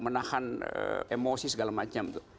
menahan emosi segala macam